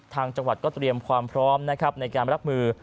ทางจังหวัดก็เตรียมความพร้อมนะครับในการรับมือ